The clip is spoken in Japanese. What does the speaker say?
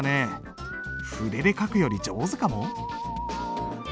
筆で書くより上手かも？